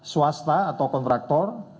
swasta atau kontraktor